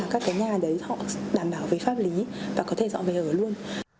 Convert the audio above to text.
các cái nhà đấy họ đảm bảo về pháp lý và có thể dọn về ở luôn